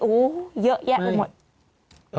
โอ้โหเยอะแยะไปหมด